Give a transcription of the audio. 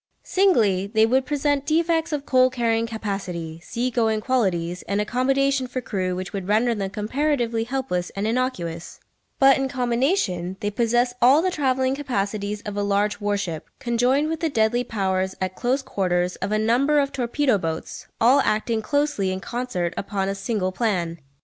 Singly, they would present defects of coal carrying capacity, sea going qualities, and accommodation for crew which would render them comparatively helpless and innocuous; but in combination they possess all the travelling capacities of a large warship, conjoined with the deadly powers at close quarters of a number of torpedo boats, all acting closely in concert upon a single plan.